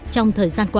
trong thời gian qua